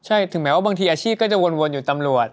ใช่ถึงแม้ว่าบางทีอาชีพก็จะวนอยู่ตำรวจ